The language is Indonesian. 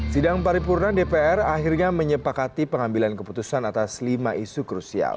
sidang paripurna dpr akhirnya menyepakati pengambilan keputusan atas lima isu krusial